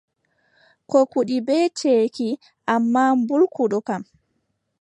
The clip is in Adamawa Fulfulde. Koo kuɗi ɓe ceeki ammaa mbulku ɗoo kam,